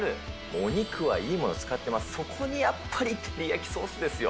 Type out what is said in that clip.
お肉はいいもの使ってます、そこにやっぱりテリヤキソースですよ。